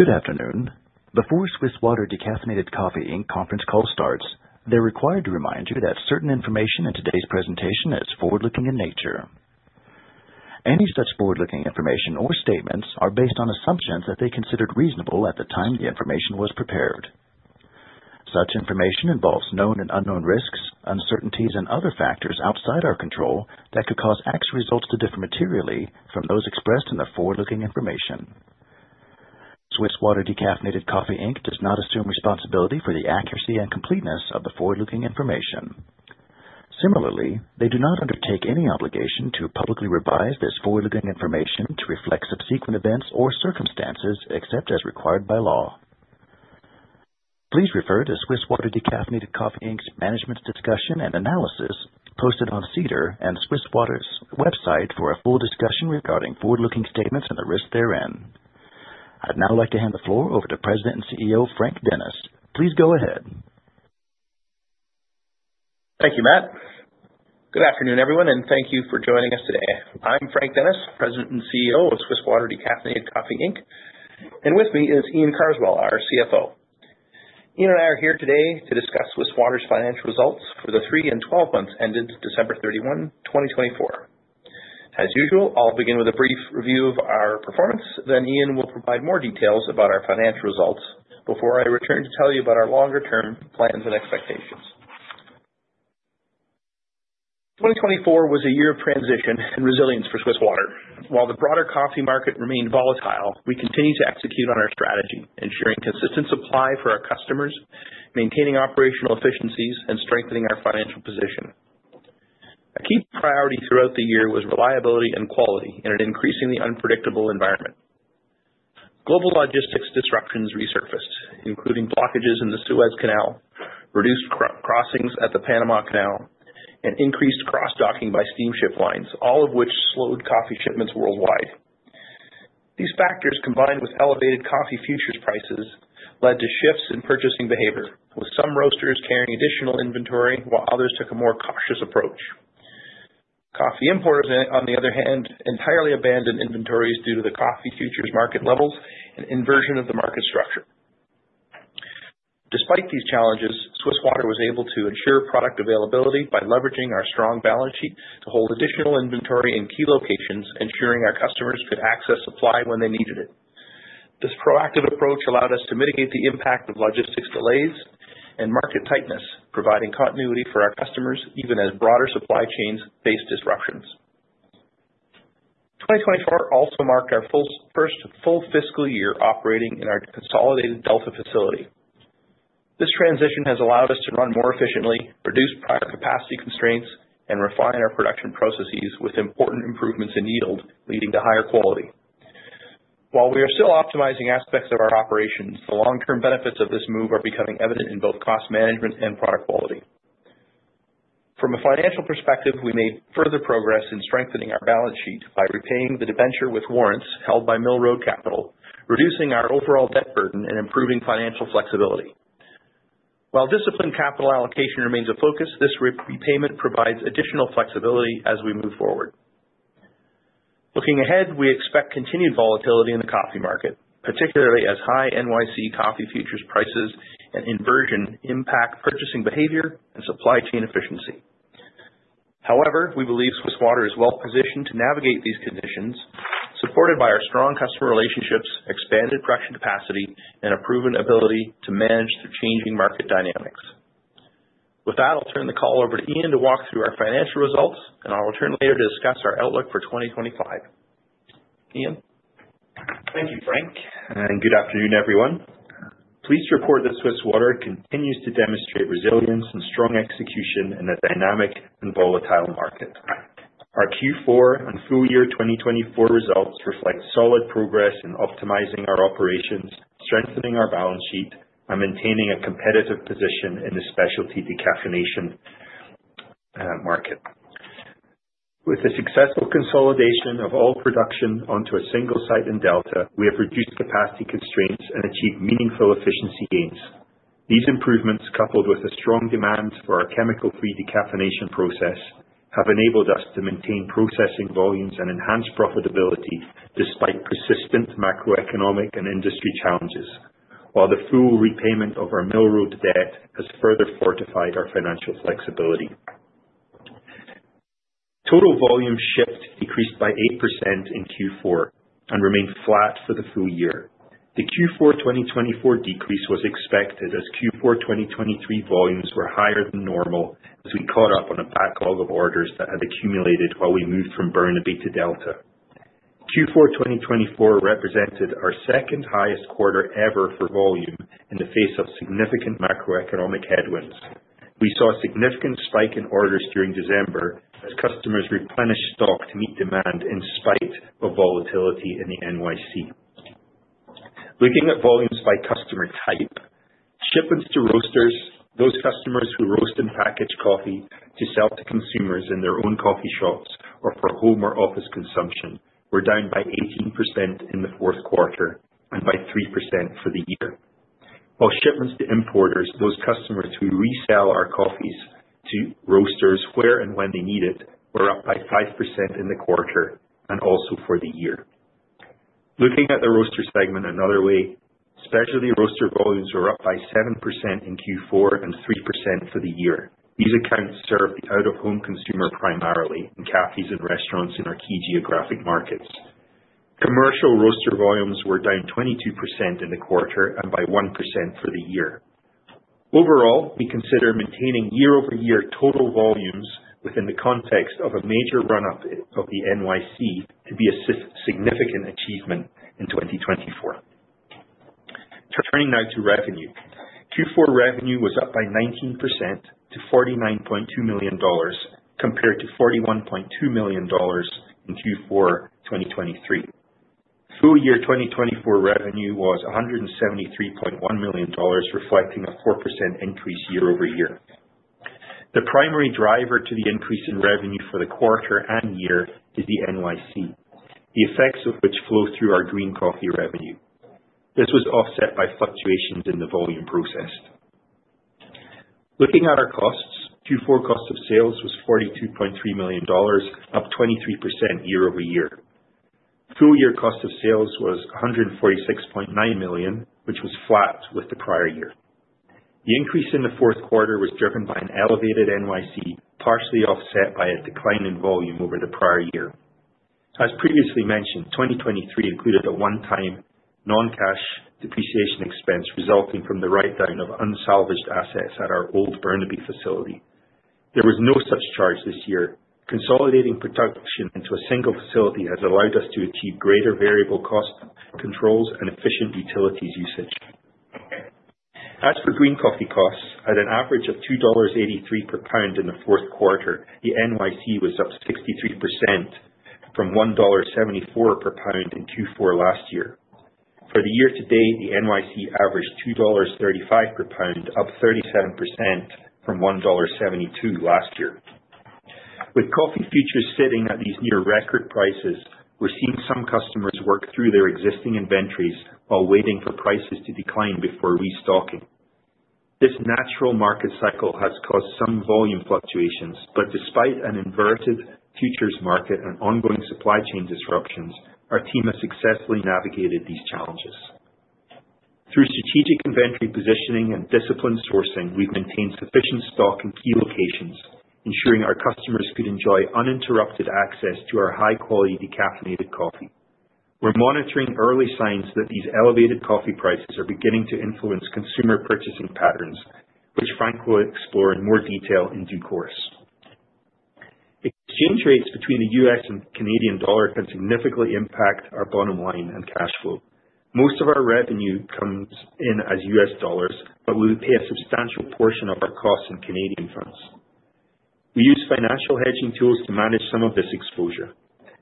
Good afternoon. Before Swiss Water Decaffeinated Coffee conference call starts, they're required to remind you that certain information in today's presentation is forward-looking in nature. Any such forward-looking information or statements are based on assumptions that they considered reasonable at the time the information was prepared. Such information involves known and unknown risks, uncertainties, and other factors outside our control that could cause actual results to differ materially from those expressed in the forward-looking information. Swiss Water Decaffeinated Coffee does not assume responsibility for the accuracy and completeness of the forward-looking information. Similarly, they do not undertake any obligation to publicly revise this forward-looking information to reflect subsequent events or circumstances except as required by law. Please refer to Swiss Water Decaffeinated Coffee's management discussion and analysis posted on SEDAR and Swiss Water's website for a full discussion regarding forward-looking statements and the risks therein. I'd now like to hand the floor over to President and CEO Frank Dennis. Please go ahead. Thank you, Matt. Good afternoon, everyone, and thank you for joining us today. I'm Frank Dennis, President and CEO of Swiss Water Decaffeinated Coffee, and with me is Iain Carswell, our CFO. Iain and I are here today to discuss Swiss Water's financial results for the three and twelve months ended December 31, 2024. As usual, I'll begin with a brief review of our performance, then Iain will provide more details about our financial results before I return to tell you about our longer-term plans and expectations. 2024 was a year of transition and resilience for Swiss Water. While the broader coffee market remained volatile, we continued to execute on our strategy, ensuring consistent supply for our customers, maintaining operational efficiencies, and strengthening our financial position. A key priority throughout the year was reliability and quality in an increasingly unpredictable environment. Global logistics disruptions resurfaced, including blockages in the Suez Canal, reduced crossings at the Panama Canal, and increased cross-docking by steamship lines, all of which slowed coffee shipments worldwide. These factors, combined with elevated coffee futures prices, led to shifts in purchasing behavior, with some roasters carrying additional inventory while others took a more cautious approach. Coffee importers, on the other hand, entirely abandoned inventories due to the coffee futures market levels and inversion of the market structure. Despite these challenges, Swiss Water was able to ensure product availability by leveraging our strong balance sheet to hold additional inventory in key locations, ensuring our customers could access supply when they needed it. This proactive approach allowed us to mitigate the impact of logistics delays and market tightness, providing continuity for our customers even as broader supply chains faced disruptions. 2024 also marked our first full fiscal year operating in our consolidated Delta facility. This transition has allowed us to run more efficiently, reduce prior capacity constraints, and refine our production processes with important improvements in yield, leading to higher quality. While we are still optimizing aspects of our operations, the long-term benefits of this move are becoming evident in both cost management and product quality. From a financial perspective, we made further progress in strengthening our balance sheet by repaying the debenture with warrants held by Mill Road Capital, reducing our overall debt burden and improving financial flexibility. While disciplined capital allocation remains a focus, this repayment provides additional flexibility as we move forward. Looking ahead, we expect continued volatility in the coffee market, particularly as high NYC coffee futures prices and inversion impact purchasing behavior and supply chain efficiency. However, we believe Swiss Water is well-positioned to navigate these conditions, supported by our strong customer relationships, expanded production capacity, and a proven ability to manage the changing market dynamics. With that, I'll turn the call over to Iain to walk through our financial results, and I'll return later to discuss our outlook for 2025. Iain? Thank you, Frank, and good afternoon, everyone. Pleased to report that Swiss Water continues to demonstrate resilience and strong execution in a dynamic and volatile market. Our Q4 and full year 2024 results reflect solid progress in optimizing our operations, strengthening our balance sheet, and maintaining a competitive position in the specialty decaffeination market. With the successful consolidation of all production onto a single site in Delta, we have reduced capacity constraints and achieved meaningful efficiency gains. These improvements, coupled with the strong demand for our chemical-free decaffeination process, have enabled us to maintain processing volumes and enhance profitability despite persistent macroeconomic and industry challenges, while the full repayment of our Mill Road debt has further fortified our financial flexibility. Total volume shipped decreased by 8% in Q4 and remained flat for the full year. The Q4 2024 decrease was expected as Q4 2023 volumes were higher than normal as we caught up on a backlog of orders that had accumulated while we moved from Burnaby to Delta. Q4 2024 represented our second highest quarter ever for volume in the face of significant macroeconomic headwinds. We saw a significant spike in orders during December as customers replenished stock to meet demand in spite of volatility in the NYC. Looking at volumes by customer type, shipments to roasters, those customers who roast and package coffee to sell to consumers in their own coffee shops or for home or office consumption, were down by 18% in the fourth quarter and by 3% for the year. While shipments to importers, those customers who resell our coffees to roasters where and when they need it, were up by 5% in the quarter and also for the year. Looking at the roaster segment another way, specialty roaster volumes were up by 7% in Q4 and 3% for the year. These accounts serve the out-of-home consumer primarily in cafes and restaurants in our key geographic markets. Commercial roaster volumes were down 22% in the quarter and by 1% for the year. Overall, we consider maintaining year-over-year total volumes within the context of a major run-up of the NYC to be a significant achievement in 2024. Turning now to revenue, Q4 revenue was up by 19% to $49.2 million compared to $41.2 million in Q4 2023. Full year 2024 revenue was $173.1 million, reflecting a 4% increase year-over-year. The primary driver to the increase in revenue for the quarter and year is the NYC, the effects of which flow through our green coffee revenue. This was offset by fluctuations in the volume processed. Looking at our costs, Q4 cost of sales was $42.3 million, up 23% year-over-year. Full year cost of sales was $146.9 million, which was flat with the prior year. The increase in the fourth quarter was driven by an elevated NYC, partially offset by a decline in volume over the prior year. As previously mentioned, 2023 included a one-time non-cash depreciation expense resulting from the write-down of unsalvaged assets at our old Burnaby facility. There was no such charge this year. Consolidating production into a single facility has allowed us to achieve greater variable cost controls and efficient utilities usage. As for green coffee costs, at an average of $2.83 per pound in the fourth quarter, the NYC was up 63% from $1.74 per pound in Q4 last year. For the year to date, the NYC averaged $2.35 per pound, up 37% from $1.72 last year. With coffee futures sitting at these near-record prices, we're seeing some customers work through their existing inventories while waiting for prices to decline before restocking. This natural market cycle has caused some volume fluctuations, but despite an inverted futures market and ongoing supply chain disruptions, our team has successfully navigated these challenges. Through strategic inventory positioning and disciplined sourcing, we've maintained sufficient stock in key locations, ensuring our customers could enjoy uninterrupted access to our high-quality decaffeinated coffee. We're monitoring early signs that these elevated coffee prices are beginning to influence consumer purchasing patterns, which Frank will explore in more detail in due course. Exchange rates between the U.S. and Canadian dollar can significantly impact our bottom line and cash flow. Most of our revenue comes in as U.S. dollars, but we pay a substantial portion of our costs in Canadian funds. We use financial hedging tools to manage some of this exposure.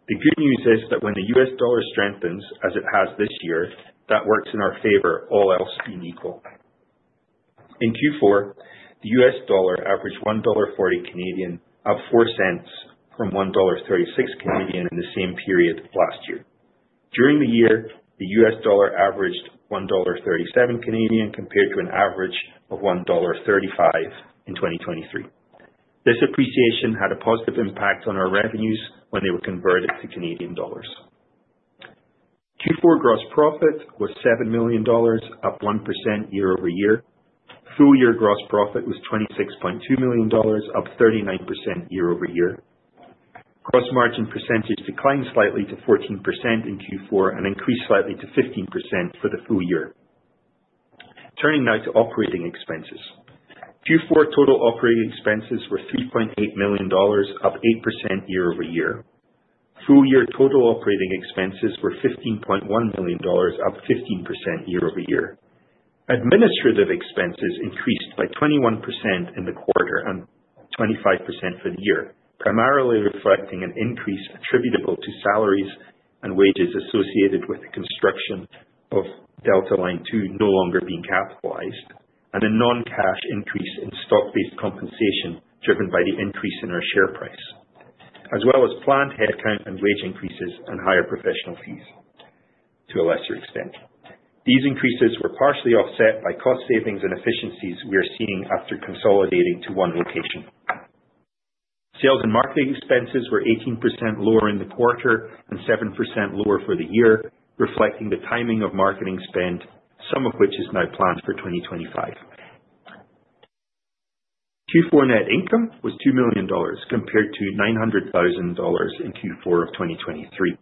The good news is that when the US dollar strengthens, as it has this year, that works in our favor, all else being equal. In Q4, the US dollar averaged $1.40 Canadian, up 4 cents from $1.36 Canadian in the same period last year. During the year, the US dollar averaged $1.37 Canadian compared to an average of $1.35 in 2023. This appreciation had a positive impact on our revenues when they were converted to Canadian dollars. Q4 gross profit was $7 million, up 1% year-over-year. Full year gross profit was $26.2 million, up 39% year-over-year. Gross margin percentage declined slightly to 14% in Q4 and increased slightly to 15% for the full year. Turning now to operating expenses. Q4 total operating expenses were $3.8 million, up 8% year-over-year. Full year total operating expenses were $15.1 million, up 15% year-over-year. Administrative expenses increased by 21% in the quarter and 25% for the year, primarily reflecting an increase attributable to salaries and wages associated with the construction of Delta Line 2 no longer being capitalized, and a non-cash increase in stock-based compensation driven by the increase in our share price, as well as planned headcount and wage increases and higher professional fees to a lesser extent. These increases were partially offset by cost savings and efficiencies we are seeing after consolidating to one location. Sales and marketing expenses were 18% lower in the quarter and 7% lower for the year, reflecting the timing of marketing spend, some of which is now planned for 2025. Q4 net income was $2 million compared to $900,000 in Q4 of 2023.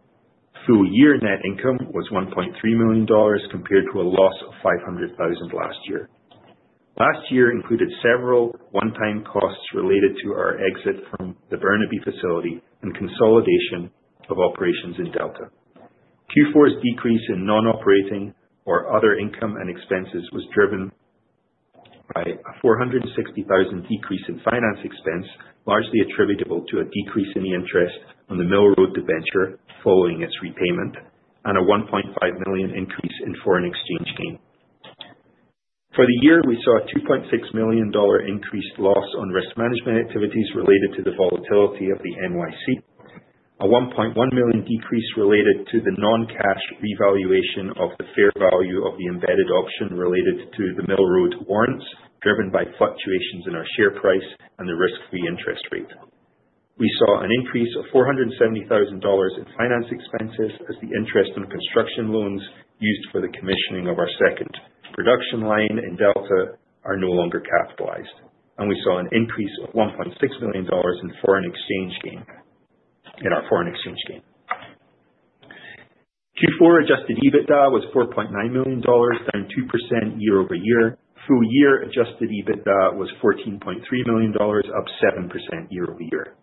Full year net income was $1.3 million compared to a loss of $500,000 last year. Last year included several one-time costs related to our exit from the Burnaby facility and consolidation of operations in Delta. Q4's decrease in non-operating or other income and expenses was driven by a $460,000 decrease in finance expense, largely attributable to a decrease in the interest on the Mill Road debenture following its repayment and a $1.5 million increase in foreign exchange gain. For the year, we saw a $2.6 million increased loss on risk management activities related to the volatility of the NYC, a $1.1 million decrease related to the non-cash revaluation of the fair value of the embedded option related to the Mill Road warrants, driven by fluctuations in our share price and the risk-free interest rate. We saw an increase of $470,000 in finance expenses as the interest on construction loans used for the commissioning of our second production line in Delta are no longer capitalized, and we saw an increase of $1.6 million in foreign exchange gain in our foreign exchange gain. Q4 adjusted EBITDA was $4.9 million, down 2% year-over-year. Full year adjusted EBITDA was $14.3 million, up 7% year-over-year.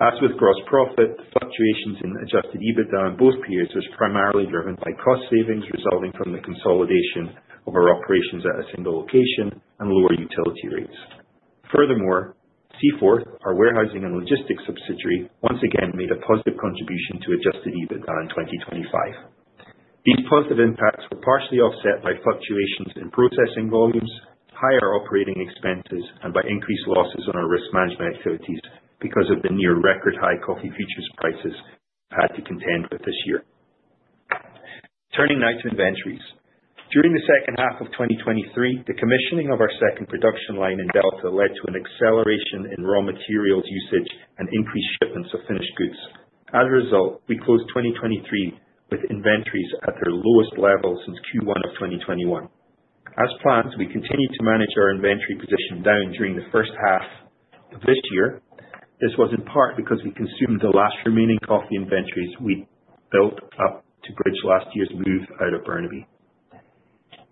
As with gross profit, the fluctuations in adjusted EBITDA in both periods were primarily driven by cost savings resulting from the consolidation of our operations at a single location and lower utility rates. Furthermore, Seaforth, our warehousing and logistics subsidiary, once again made a positive contribution to adjusted EBITDA in 2025. These positive impacts were partially offset by fluctuations in processing volumes, higher operating expenses, and by increased losses on our risk management activities because of the near-record high coffee futures prices we've had to contend with this year. Turning now to inventories. During the second half of 2023, the commissioning of our second production line in Delta led to an acceleration in raw materials usage and increased shipments of finished goods. As a result, we closed 2023 with inventories at their lowest level since Q1 of 2021. As planned, we continued to manage our inventory position down during the first half of this year. This was in part because we consumed the last remaining coffee inventories we built up to bridge last year's move out of Burnaby.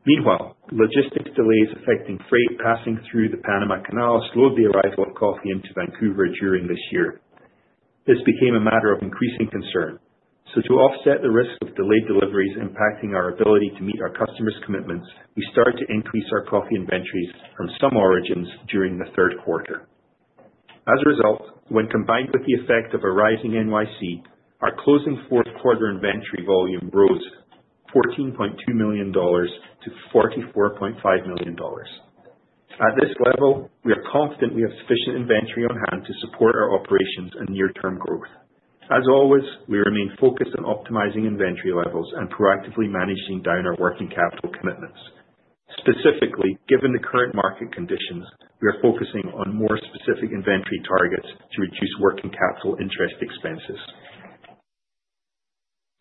Meanwhile, logistics delays affecting freight passing through the Panama Canal slowed the arrival of coffee into Vancouver during this year. This became a matter of increasing concern. To offset the risk of delayed deliveries impacting our ability to meet our customers' commitments, we started to increase our coffee inventories from some origins during the third quarter. As a result, when combined with the effect of a rising NYC, our closing fourth quarter inventory volume rose $14.2 million to $44.5 million. At this level, we are confident we have sufficient inventory on hand to support our operations and near-term growth. As always, we remain focused on optimizing inventory levels and proactively managing down our working capital commitments. Specifically, given the current market conditions, we are focusing on more specific inventory targets to reduce working capital interest expenses.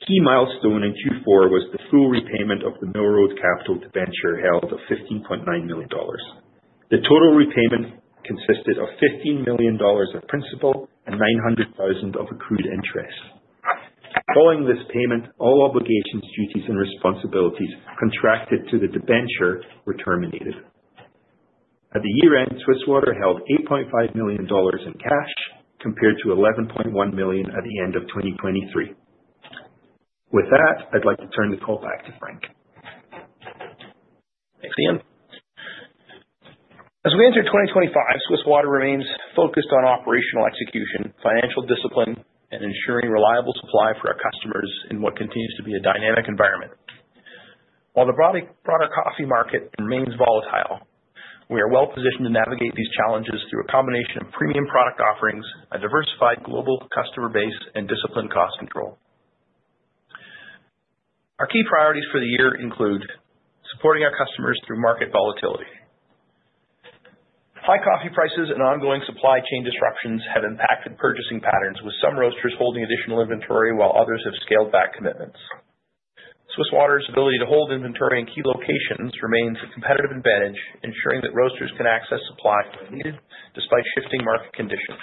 A key milestone in Q4 was the full repayment of the Mill Road Capital debenture, held of $15.9 million. The total repayment consisted of $15 million of principal and $900,000 of accrued interest. Following this payment, all obligations, duties, and responsibilities contracted to the Debenture were terminated. At the year end, Swiss Water held $8.5 million in cash compared to $11.1 million at the end of 2023. With that, I'd like to turn the call back to Frank. Thanks, Iain. As we enter 2025, Swiss Water remains focused on operational execution, financial discipline, and ensuring reliable supply for our customers in what continues to be a dynamic environment. While the broader coffee market remains volatile, we are well positioned to navigate these challenges through a combination of premium product offerings, a diversified global customer base, and disciplined cost control. Our key priorities for the year include supporting our customers through market volatility. High coffee prices and ongoing supply chain disruptions have impacted purchasing patterns, with some roasters holding additional inventory while others have scaled back commitments. Swiss Water's ability to hold inventory in key locations remains a competitive advantage, ensuring that roasters can access supply when needed despite shifting market conditions.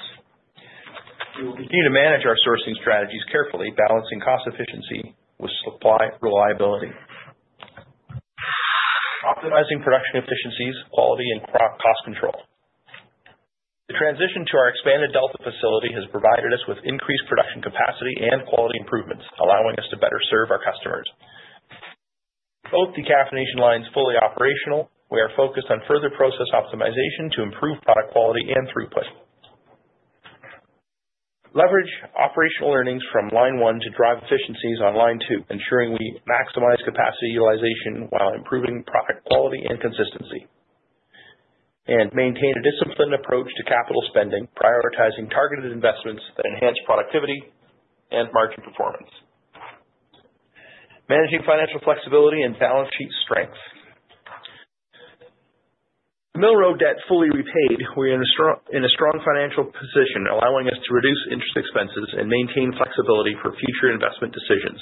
We will continue to manage our sourcing strategies carefully, balancing cost efficiency with supply reliability, optimizing production efficiencies, quality, and cost control. The transition to our expanded Delta facility has provided us with increased production capacity and quality improvements, allowing us to better serve our customers. With both decaffeination lines fully operational, we are focused on further process optimization to improve product quality and throughput. Leverage operational earnings from line one to drive efficiencies on line two, ensuring we maximize capacity utilization while improving product quality and consistency, and maintain a disciplined approach to capital spending, prioritizing targeted investments that enhance productivity and margin performance. Managing financial flexibility and balance sheet strength. With Mill Road debt fully repaid, we are in a strong financial position, allowing us to reduce interest expenses and maintain flexibility for future investment decisions.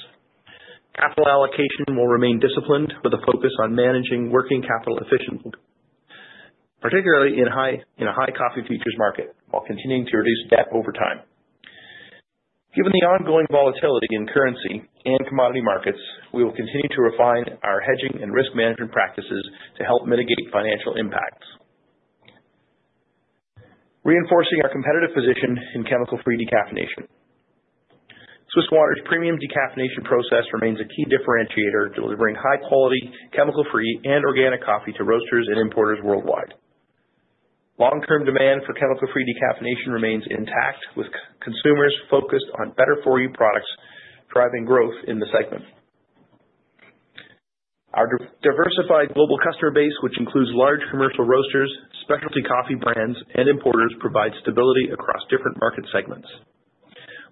Capital allocation will remain disciplined with a focus on managing working capital efficiently, particularly in a high coffee futures market, while continuing to reduce debt over time. Given the ongoing volatility in currency and commodity markets, we will continue to refine our hedging and risk management practices to help mitigate financial impacts, reinforcing our competitive position in chemical-free decaffeination. Swiss Water's premium decaffeination process remains a key differentiator, delivering high-quality chemical-free and organic coffee to roasters and importers worldwide. Long-term demand for chemical-free decaffeination remains intact, with consumers focused on better-for-you products driving growth in the segment. Our diversified global customer base, which includes large commercial roasters, specialty coffee brands, and importers, provides stability across different market segments.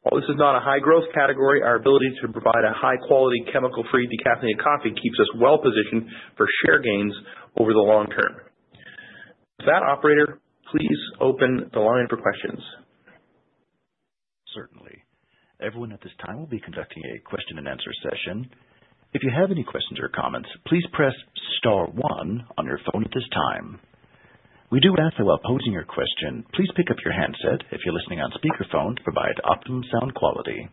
While this is not a high-growth category, our ability to provide a high-quality chemical-free decaffeinated coffee keeps us well positioned for share gains over the long term. With that, operator, please open the line for questions. Certainly. Everyone at this time will be conducting a question-and-answer session. If you have any questions or comments, please press Star 1 on your phone at this time. We do ask that while posing your question, please pick up your handset if you're listening on speakerphone to provide optimum sound quality.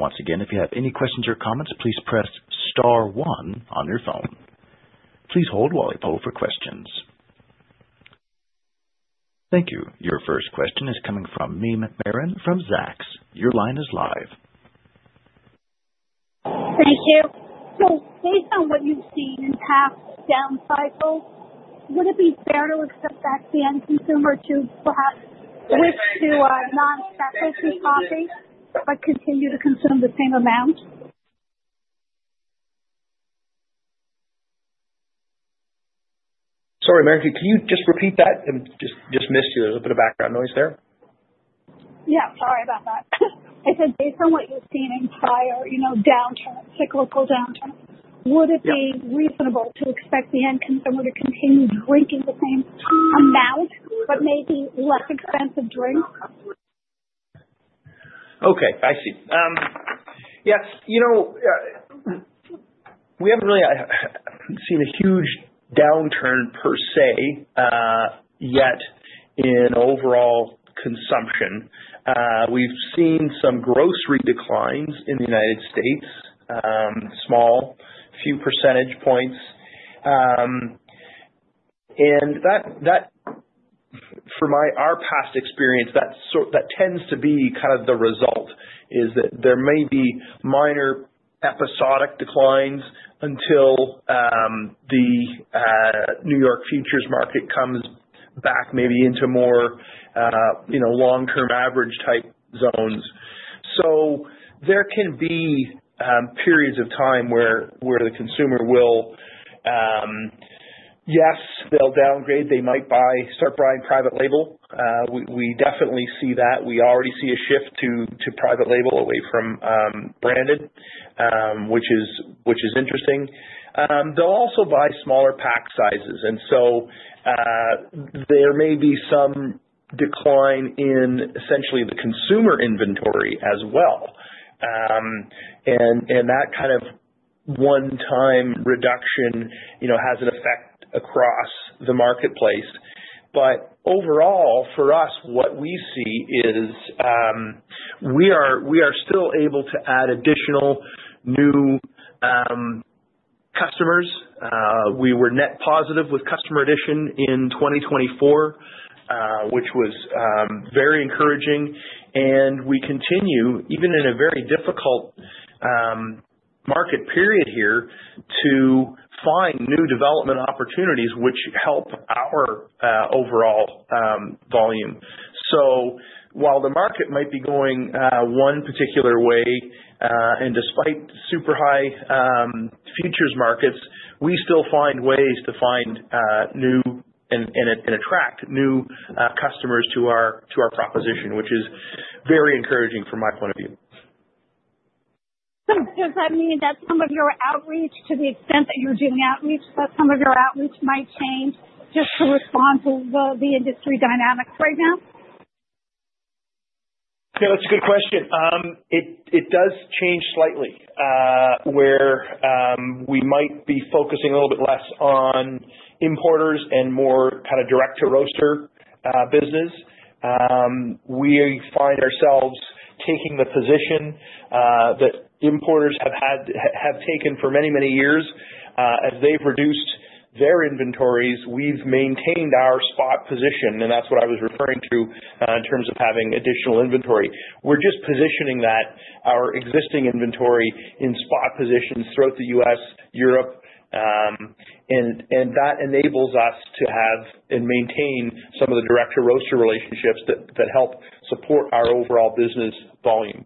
Once again, if you have any questions or comments, please press Star 1 on your phone. Please hold while I poll for questions. Thank you. Your first question is coming from Marla Marin from Zacks. Your line is live. Thank you. Based on what you have seen in past down cycles, would it be fair to expect that end consumer to perhaps switch to non-specialty coffee but continue to consume the same amount? Sorry, Maren, can you just repeat that? I just missed you. There is a bit of background noise there. Yeah, sorry about that. I said, based on what you have seen in prior downturns, cyclical downturns, would it be reasonable to expect the end consumer to continue drinking the same amount but maybe less expensive drinks? Okay, I see. Yeah, we have not really seen a huge downturn per se yet in overall consumption. We've seen some grocery declines in the United States, small, few percentage points. For our past experience, that tends to be kind of the result, is that there may be minor episodic declines until the New York futures market comes back maybe into more long-term average-type zones. There can be periods of time where the consumer will, yes, they'll downgrade. They might start buying private label. We definitely see that. We already see a shift to private label away from branded, which is interesting. They'll also buy smaller pack sizes. There may be some decline in essentially the consumer inventory as well. That kind of one-time reduction has an effect across the marketplace. Overall, for us, what we see is we are still able to add additional new customers. We were net positive with customer addition in 2024, which was very encouraging. We continue, even in a very difficult market period here, to find new development opportunities, which help our overall volume. While the market might be going one particular way, and despite super high futures markets, we still find ways to find new and attract new customers to our proposition, which is very encouraging from my point of view. Does that mean that some of your outreach, to the extent that you're doing outreach, that some of your outreach might change just to respond to the industry dynamics right now? Yeah, that's a good question. It does change slightly, where we might be focusing a little bit less on importers and more kind of direct-to-roaster business. We find ourselves taking the position that importers have taken for many, many years. As they've reduced their inventories, we've maintained our spot position. That is what I was referring to in terms of having additional inventory. We are just positioning our existing inventory in spot positions throughout the U.S., Europe. That enables us to have and maintain some of the direct-to-roaster relationships that help support our overall business volume.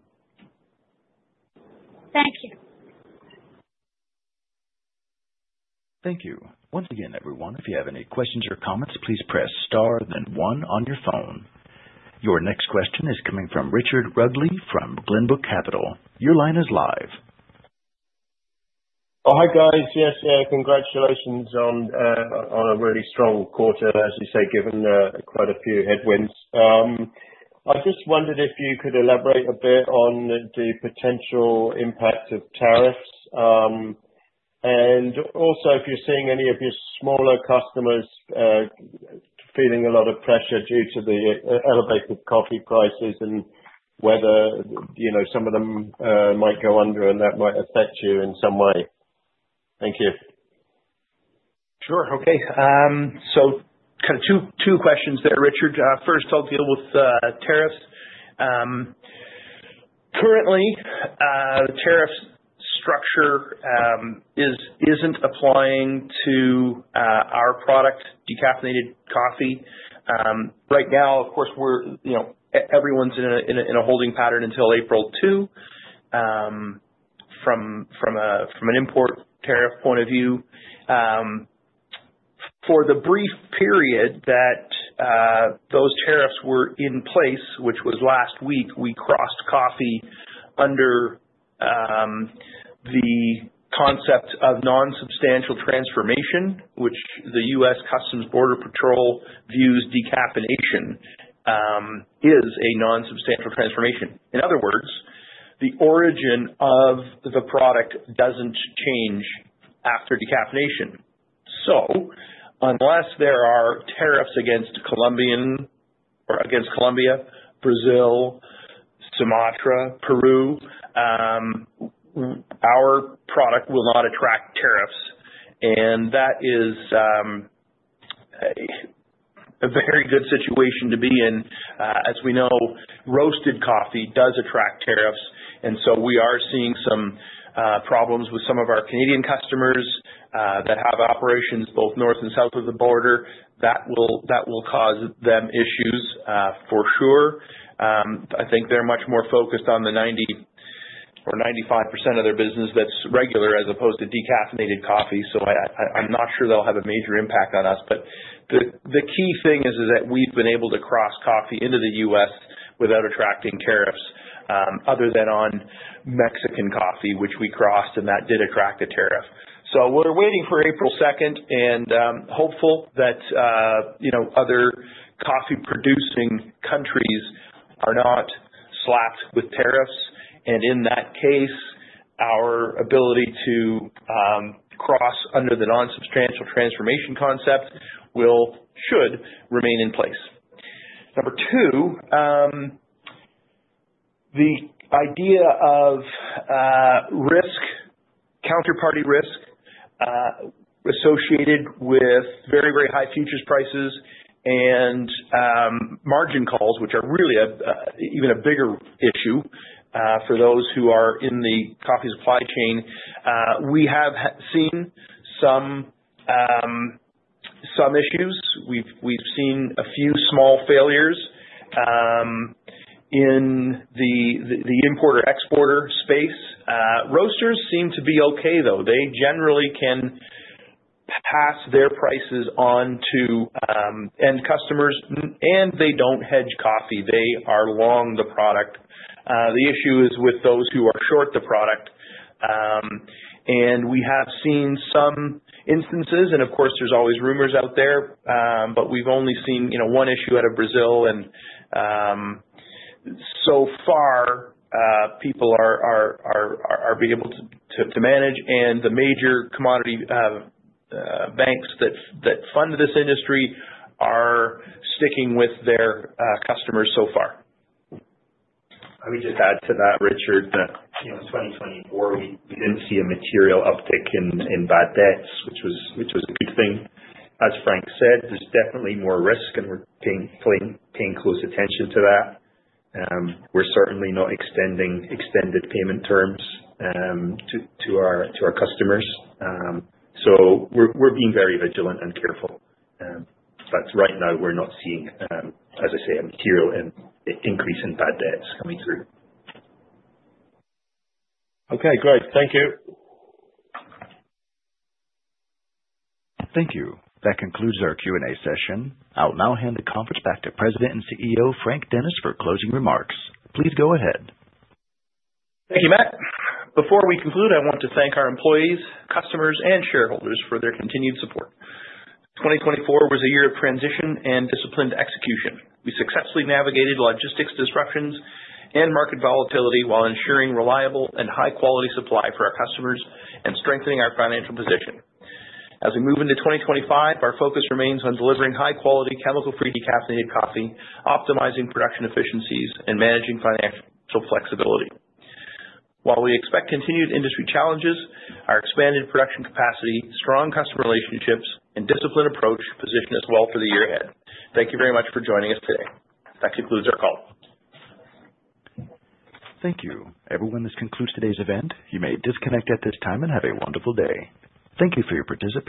Thank you. Thank you. Once again, everyone, if you have any questions or comments, please press Star, then 1 on your phone. Your next question is coming from Richard Rugley from Glenbrook Capital. Your line is live. Oh, hi guys. Yes, yeah. Congratulations on a really strong quarter, as you say, given quite a few headwinds. I just wondered if you could elaborate a bit on the potential impact of tariffs and also if you're seeing any of your smaller customers feeling a lot of pressure due to the elevated coffee prices and whether some of them might go under and that might affect you in some way. Thank you. Sure. Okay. So, kind of two questions there, Richard. First, I'll deal with tariffs. Currently, the tariff structure isn't applying to our product, decaffeinated coffee. Right now, of course, everyone's in a holding pattern until April 2 from an import tariff point of view. For the brief period that those tariffs were in place, which was last week, we crossed coffee under the concept of non-substantial transformation, which the U.S. Customs Border Patrol views decaffeination is a non-substantial transformation. In other words, the origin of the product doesn't change after decaffeination. Unless there are tariffs against Colombia, Brazil, Sumatra, Peru, our product will not attract tariffs. That is a very good situation to be in. As we know, roasted coffee does attract tariffs. We are seeing some problems with some of our Canadian customers that have operations both north and south of the border. That will cause them issues for sure. I think they're much more focused on the 90% or 95% of their business that's regular as opposed to decaffeinated coffee. I'm not sure they'll have a major impact on us. The key thing is that we've been able to cross coffee into the U.S. without attracting tariffs, other than on Mexican coffee, which we crossed, and that did attract a tariff. We're waiting for April 2 and hopeful that other coffee-producing countries are not slapped with tariffs. In that case, our ability to cross under the non-substantial transformation concept should remain in place. Number two, the idea of risk, counterparty risk associated with very, very high futures prices and margin calls, which are really even a bigger issue for those who are in the coffee supply chain. We have seen some issues. We've seen a few small failures in the importer-exporter space. Roasters seem to be okay, though. They generally can pass their prices on to end customers, and they do not hedge coffee. They are long the product. The issue is with those who are short the product. We have seen some instances, and of course, there are always rumors out there, but we've only seen one issue out of Brazil. So far, people are being able to manage. The major commodity banks that fund this industry are sticking with their customers so far. Let me just add to that, Richard, that in 2024, we did not see a material uptick in bad debts, which was a good thing. As Frank said, there is definitely more risk, and we are paying close attention to that. We are certainly not extending extended payment terms to our customers. We are being very vigilant and careful. Right now, we are not seeing, as I say, a material increase in bad debts coming through. Okay, great. Thank you. Thank you. That concludes our Q&A session. I will now hand the conference back to President and CEO Frank Dennis for closing remarks. Please go ahead. Thank you, Matt. Before we conclude, I want to thank our employees, customers, and shareholders for their continued support. 2024 was a year of transition and disciplined execution. We successfully navigated logistics disruptions and market volatility while ensuring reliable and high-quality supply for our customers and strengthening our financial position. As we move into 2025, our focus remains on delivering high-quality chemical-free decaffeinated coffee, optimizing production efficiencies, and managing financial flexibility. While we expect continued industry challenges, our expanded production capacity, strong customer relationships, and disciplined approach position us well for the year ahead. Thank you very much for joining us today. That concludes our call. Thank you. Everyone, this concludes today's event. You may disconnect at this time and have a wonderful day. Thank you for your participation.